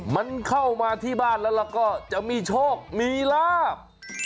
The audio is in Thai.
มันเข้ามาที่บ้านแล้วก็จะมีโชคมีลาบ